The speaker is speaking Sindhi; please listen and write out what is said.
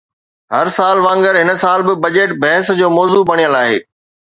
هر سال وانگر هن سال به بجيٽ بحث جو موضوع بڻيل آهي